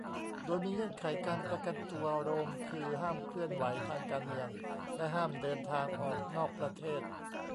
โดยมีเงื่อนไขการประกันตัว โรม คือห้ามเคลื่อนไหวทางการเมืองและห้ามเดินทางออกนอกประเทศ